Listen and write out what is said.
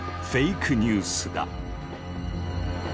フェイクニュースだ。